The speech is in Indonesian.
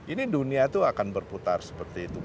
ini dunia itu akan berputar seperti itu